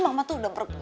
gak cocok tau gak apa